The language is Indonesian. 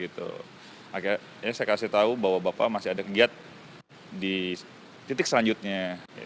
saya kasih tahu bahwa bapak masih ada kegiatan di titik selanjutnya